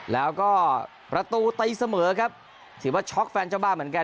แล้วก็ประตูตีเสมอครับถือว่าช็อกแฟนเจ้าบ้านเหมือนกัน